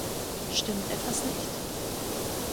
Stimmt etwas nicht?